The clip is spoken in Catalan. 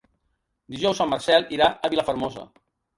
Dijous en Marcel irà a Vilafermosa.